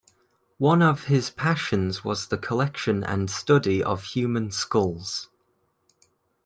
One of his passions was the collection and study of human skulls.